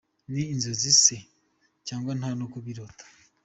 Ni inzozi se, cyangwa nta no kubirota?